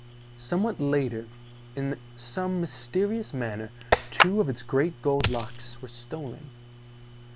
Somewhat later, in some mysterious manner, two of its great gold locks were stolen.